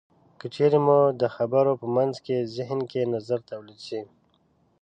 که چېرې مو د خبرو په منځ کې زهن کې نظر تولید شي.